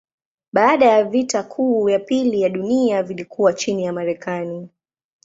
Baada ya vita kuu ya pili ya dunia vilikuwa chini ya Marekani.